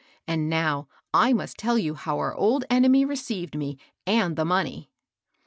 And now I must tell you how our old enemy received me and the money."